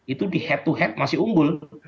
itu di head to head masih unggul